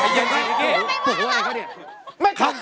ยังไม่บอกเขา